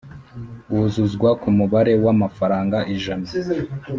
wuzuzwa ku mubare w amafaranga ijana